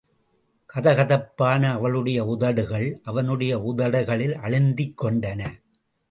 கதகதப்பான அவளுடைய உதடுகள் அவனுடைய உதடுகளில் அழுந்திக் கொண்டன.